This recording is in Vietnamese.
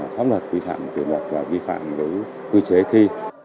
pháp luật vi phạm kiểm luật vi phạm với quy chế thi